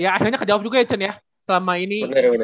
ya akhirnya kejawab juga ya chen ya selama ini